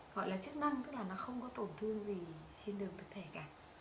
gọi là chức năng tức là nó không có tổn thương gì trên đường được thể cả